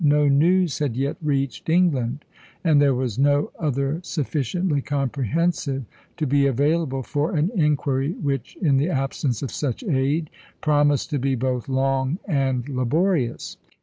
no news had yet reached England, and there was no other sufficiently comprehensive to be available for an inquiry which, in the absence of such aid, promised to be both long and laborious.